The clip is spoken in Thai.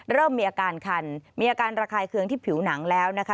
เริ่มมีอาการคันมีอาการระคายเคืองที่ผิวหนังแล้วนะคะ